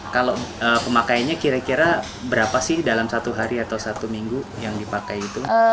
kalau pemakaiannya kira kira berapa sih dalam satu hari atau satu minggu yang dipakai itu